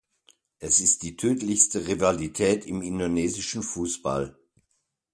Es ist die tödlichste Rivalität im indonesischen Fußball.